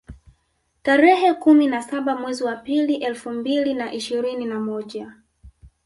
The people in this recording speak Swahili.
Tarehe kumi na saba mwezi wa pili elfu mbili na ishirini na moja